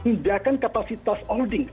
memindahkan kapasitas holding